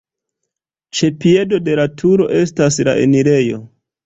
Ĉe piedo de la turo estas la enirejo.